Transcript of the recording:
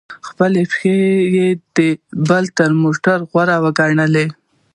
خپلي پښې د بل تر موټر غوره وګڼه!